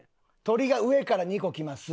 鳥が上から２個来ます。